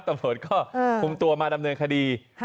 ตำรวจก็คุมตัวมาดำเนินคดี